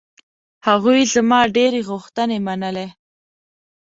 هغوی زما ډېرې غوښتنې منلې.